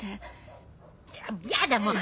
やだもう！